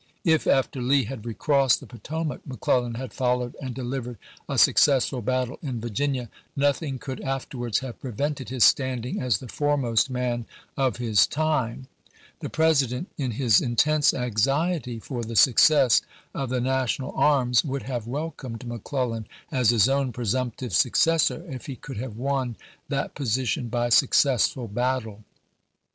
If, after Lee had recrossed the Potomac, McCleUan had followed and delivered a successful battle in Virginia, nothing could after wards have prevented his standing as the foremost man of his time. The President, in his intense anxiety for the success of the national arms, would have welcomed McClellan as his own presumptive successor if he could have won that position by successful battle.